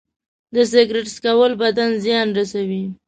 د سګرټ څکول بدن زیان رسوي.